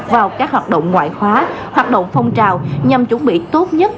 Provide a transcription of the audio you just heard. vào các hoạt động ngoại khóa hoạt động phong trào nhằm chuẩn bị tốt nhất